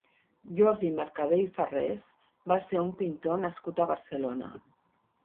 Jordi Mercadé i Farrés va ser un pintor nascut a Barcelona.